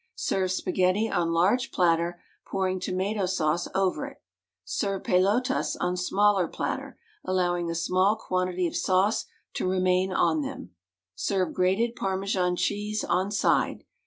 Serve spaghetti on large platter, pouring tomato sauce over it. Serve pelotas on smaller platter, allow^ing a small quantity of sauce to remain on them. Serve grated Parmesan cheese on side.